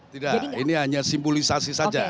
tidak ini hanya simbolisasi saja